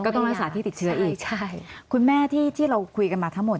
ต้องรักษาที่ติดเชื้ออีกใช่คุณแม่ที่ที่เราคุยกันมาทั้งหมด